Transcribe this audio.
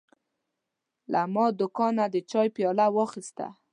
ما له دوکانه د چای پیاله واخیسته.